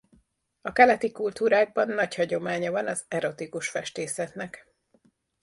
A keleti kultúrákban nagy hagyománya van az erotikus festészetnek.